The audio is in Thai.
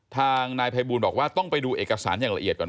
ทางนายภัยบูลบอกว่าต้องไปดูเอกสารอย่างละเอียดก่อน